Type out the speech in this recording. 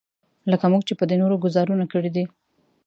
لکه موږ چې په دې نورو ګوزارونو کړی دی.